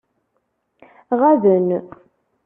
Ɣaben.